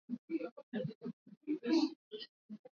utangulizi ni sehemu muhimu inayofaa kuanzia